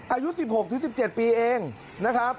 อายุ๑๖๑๗ปีเองนะครับ